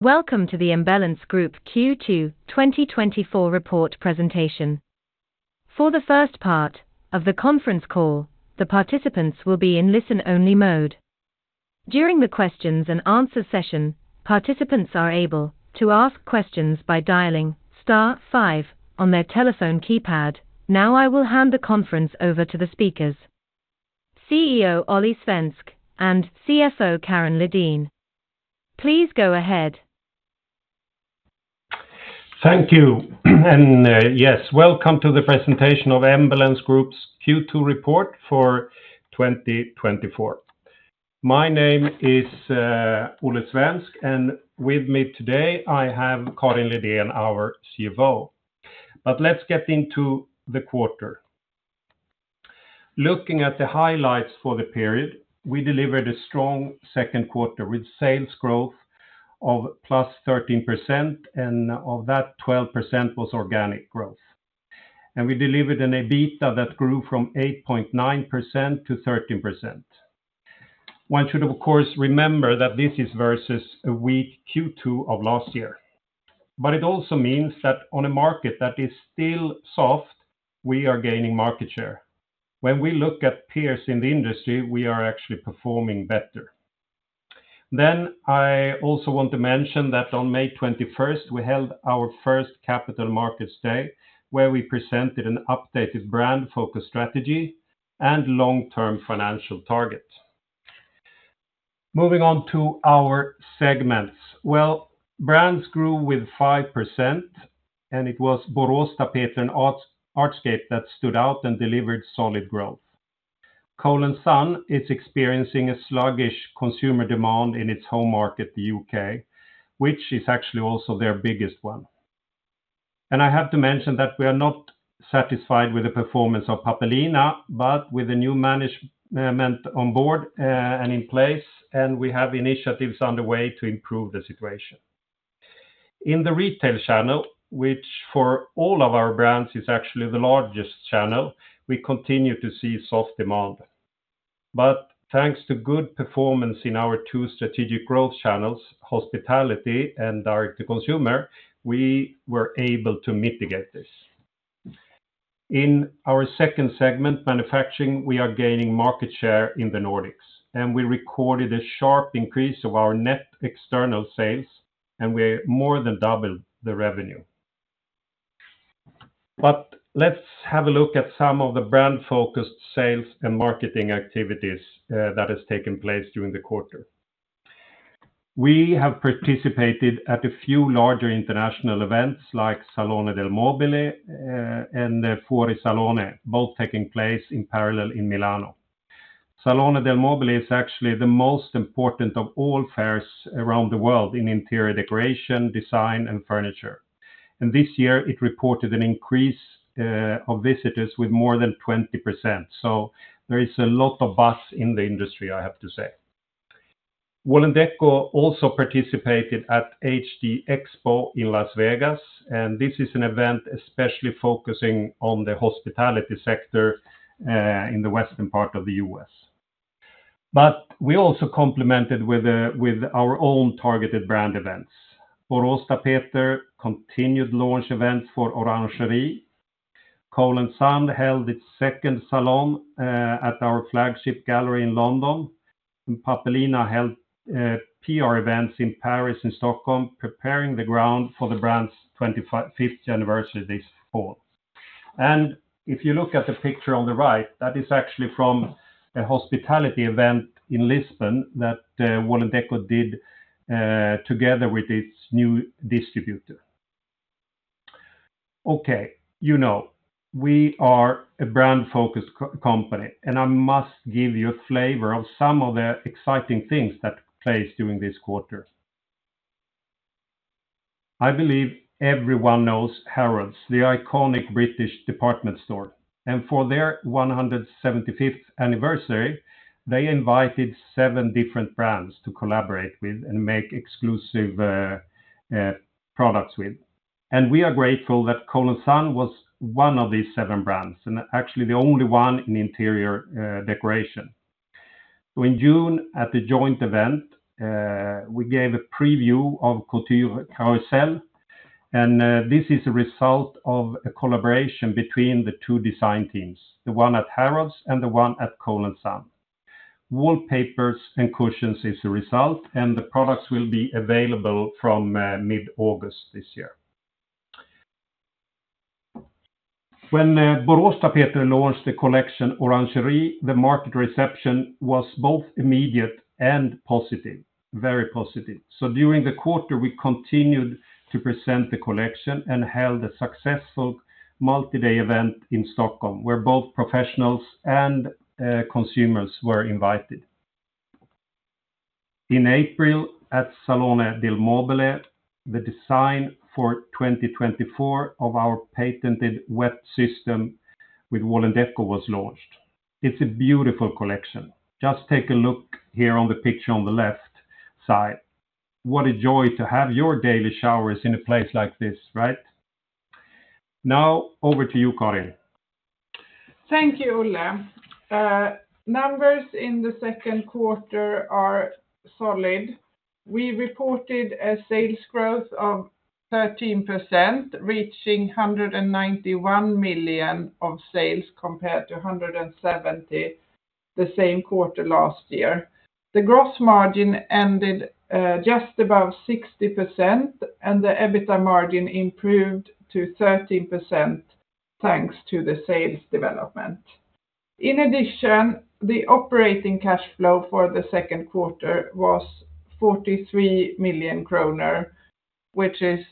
Welcome to the Embellence Group Q2 2024 Report Presentation. For the first part of the conference call, the participants will be in listen-only mode. During the questions and answer session, participants are able to ask questions by dialing star five on their telephone keypad. Now, I will hand the conference over to the speakers, CEO Olle Svensk, and CFO Karin Lidén. Please go ahead. Thank you. And yes, welcome to the presentation of Embellence Group's Q2 Report for 2024. My name is Olle Svensk, and with me today, I have Karin Lidén, our CFO. But let's get into the quarter. Looking at the highlights for the period, we delivered a strong second quarter, with sales growth of +13%, and of that, 12% was organic growth. And we delivered an EBITDA that grew from 8.9% to 13%. One should, of course, remember that this is versus a weak Q2 of last year, but it also means that on a market that is still soft, we are gaining market share. When we look at peers in the industry, we are actually performing better. Then I also want to mention that on May 21st, we held our first Capital Markets Day, where we presented an updated brand-focused strategy and long-term financial target. Moving on to our segments. Well, brands grew with 5%, and it was Boråstapeter and Artscape that stood out and delivered solid growth. Cole & Son is experiencing a sluggish consumer demand in its home market, the U.K., which is actually also their biggest one. And I have to mention that we are not satisfied with the performance of Pappelina, but with a new management on board, and in place, and we have initiatives underway to improve the situation. In the retail channel, which for all of our brands is actually the largest channel, we continue to see soft demand. But thanks to good performance in our two strategic growth channels, hospitality and direct-to-consumer, we were able to mitigate this. In our second segment, manufacturing, we are gaining market share in the Nordics, and we recorded a sharp increase of our net external sales, and we more than doubled the revenue. But let's have a look at some of the brand-focused sales and marketing activities that has taken place during the quarter. We have participated at a few larger international events like Salone del Mobile and Fuorisalone, both taking place in parallel in Milan. Salone del Mobile is actually the most important of all fairs around the world in interior decoration, design, and furniture, and this year it reported an increase of visitors with more than 20%. So there is a lot of buzz in the industry, I have to say. Wall&decò also participated at HD Expo in Las Vegas, and this is an event especially focusing on the hospitality sector in the western part of the U.S. But we also complemented with our own targeted brand events. Boråstapeter continued launch events for Orangerie. Cole & Son held its second salon at our flagship gallery in London, and Pappelina held PR events in Paris and Stockholm, preparing the ground for the brand's 50th anniversary this fall. And if you look at the picture on the right, that is actually from a hospitality event in Lisbon that Wall&decò did together with its new distributor. Okay. You know, we are a brand-focused company, and I must give you a flavor of some of the exciting things that took place during this quarter. I believe everyone knows Harrods, the iconic British department store, and for their 175th anniversary, they invited seven different brands to collaborate with and make exclusive, products with. We are grateful that Cole & Son was one of these seven brands, and actually the only one in interior, decoration. In June, at the joint event, we gave a preview of Couture Carousel, and, this is a result of a collaboration between the two design teams, the one at Harrods and the one at Cole & Son. Wallpapers and cushions is a result, and the products will be available from, mid-August this year. When Boråstapeter launched the collection Orangerie, the market reception was both immediate and positive, very positive. So during the quarter, we continued to present the collection and held a successful multi-day event in Stockholm, where both professionals and consumers were invited. In April, at Salone del Mobile, the design for 2024 of our patented WET System with Wall&decò was launched. It's a beautiful collection. Just take a look here on the picture on the left side. What a joy to have your daily showers in a place like this, right? Now, over to you, Karin. Thank you, Olle. Numbers in the second quarter are solid. We reported a sales growth of 13%, reaching 191 million of sales compared to 170, the same quarter last year. The gross margin ended just above 60%, and the EBITDA margin improved to 13%, thanks to the sales development. In addition, the operating cash flow for the second quarter was 43 million kronor, which is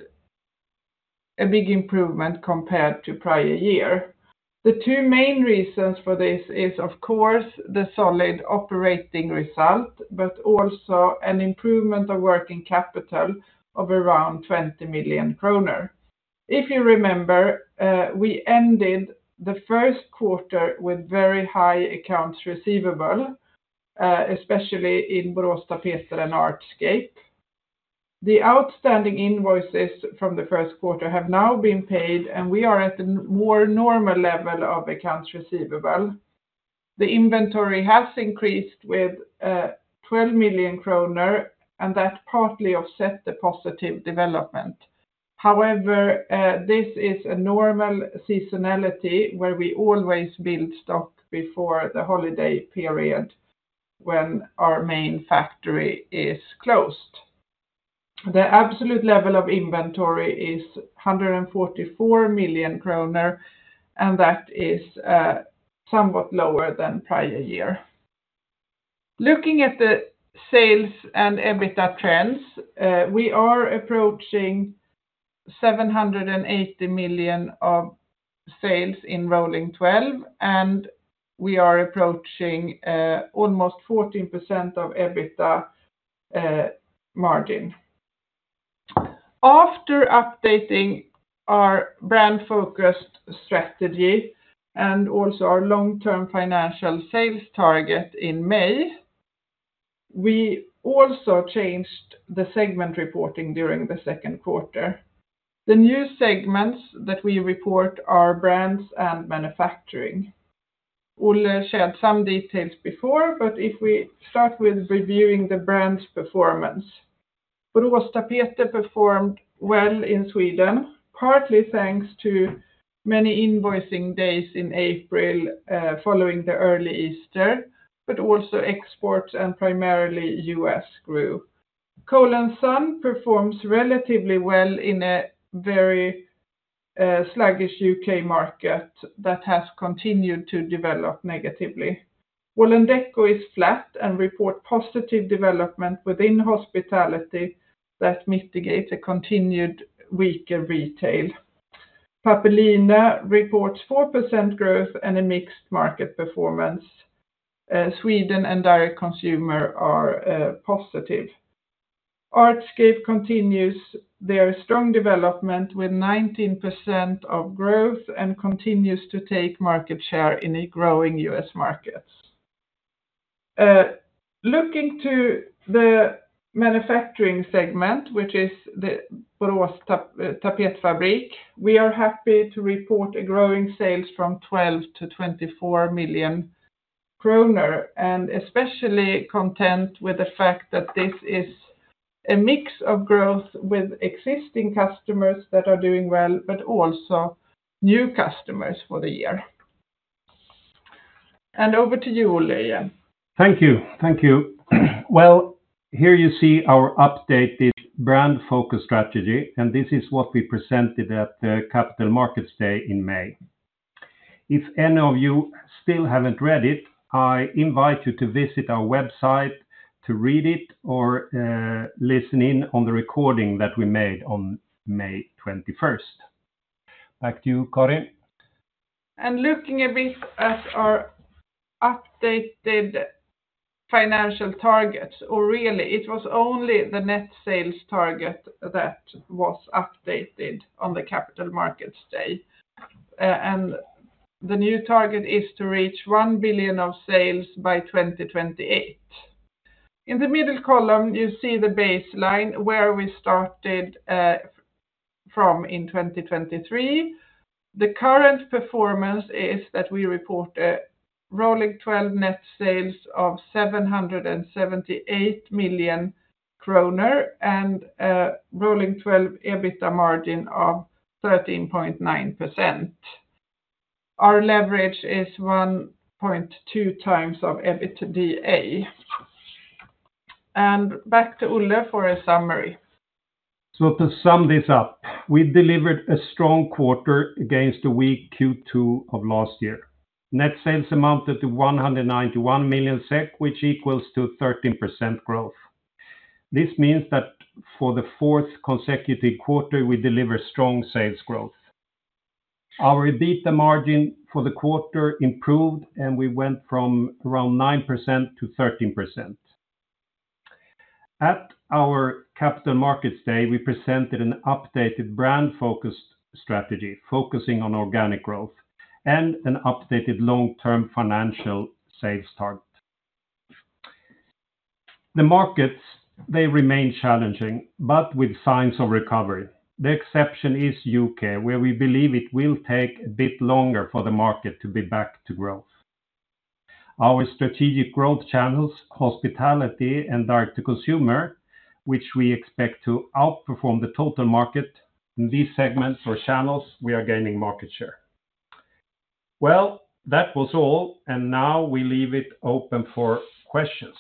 a big improvement compared to prior year. The two main reasons for this is, of course, the solid operating result, but also an improvement of working capital of around 20 million kronor. If you remember, we ended the first quarter with very high accounts receivable, especially in Boråstapeter and Artscape. The outstanding invoices from the first quarter have now been paid, and we are at a more normal level of accounts receivable. The inventory has increased with 12 million kronor, and that partly offset the positive development. However, this is a normal seasonality where we always build stock before the holiday period when our main factory is closed. The absolute level of inventory is 144 million kronor, and that is somewhat lower than prior year. Looking at the sales and EBITDA trends, we are approaching 780 million of sales in rolling 12, and we are approaching almost 14% of EBITDA margin. After updating our brand-focused strategy and also our long-term financial sales target in May, we also changed the segment reporting during the second quarter. The new segments that we report are brands and manufacturing. Olle shared some details before, but if we start with reviewing the brand's performance. Boråstapeter performed well in Sweden, partly thanks to many invoicing days in April, following the early Easter, but also exports and primarily U.S. grew. Cole & Son performs relatively well in a very, sluggish U.K. market that has continued to develop negatively. Wall&decò is flat and report positive development within hospitality that mitigate a continued weaker retail. Pappelina reports 4% growth and a mixed market performance. Sweden and direct consumer are positive. Artscape continues their strong development with 19% of growth and continues to take market share in a growing U.S. market. Looking to the manufacturing segment, which is the Borås Tapetfabrik, we are happy to report growing sales from 12 million to 24 million kronor, and especially content with the fact that this is a mix of growth with existing customers that are doing well, but also new customers for the year. Over to you, Olle, yeah. Thank you. Thank you. Well, here you see our updated brand focus strategy, and this is what we presented at the Capital Markets Day in May. If any of you still haven't read it, I invite you to visit our website to read it or listen in on the recording that we made on May 21st. Back to you, Karin. Looking a bit at our updated financial targets, or really, it was only the net sales target that was updated on the Capital Markets Day. The new target is to reach 1 billion of sales by 2028. In the middle column, you see the baseline where we started from in 2023. The current performance is that we report a Rolling 12 net sales of 778 million kronor and a rolling 12 EBITDA margin of 13.9%. Our leverage is 1.2x EBITDA. Back to Olle for a summary. So to sum this up, we delivered a strong quarter against a weak Q2 of last year. Net sales amounted to 191 million SEK, which equals 13% growth. This means that for the fourth consecutive quarter, we deliver strong sales growth. Our EBITDA margin for the quarter improved, and we went from around 9% to 13%. At our Capital Markets Day, we presented an updated brand-focused strategy, focusing on organic growth and an updated long-term financial sales target. The markets, they remain challenging, but with signs of recovery. The exception is U.K., where we believe it will take a bit longer for the market to be back to growth. Our strategic growth channels, hospitality and direct-to-consumer, which we expect to outperform the total market. In these segments or channels, we are gaining market share. Well, that was all, and now we leave it open for questions.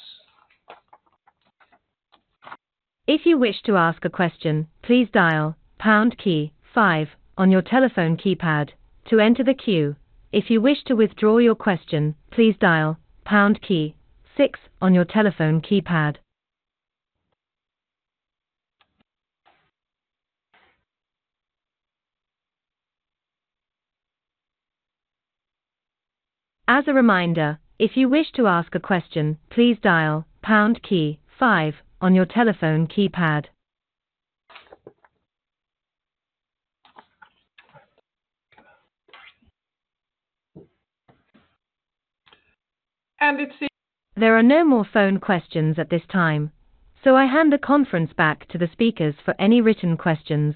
If you wish to ask a question, please dial pound key five on your telephone keypad to enter the queue. If you wish to withdraw your question, please dial pound key six on your telephone keypad. As a reminder, if you wish to ask a question, please dial pound key five on your telephone keypad. It's the- There are no more phone questions at this time, so I hand the conference back to the speakers for any written questions.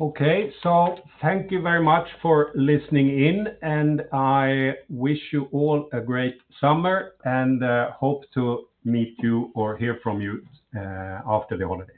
Okay, so thank you very much for listening in, and I wish you all a great summer and hope to meet you or hear from you after the holidays.